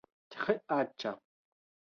Tre aĉa